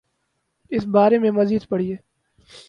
اسی بارے میں مزید پڑھیے